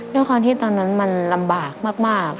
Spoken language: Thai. เรื่องของที่ตอนนั้นมันลำบากมาก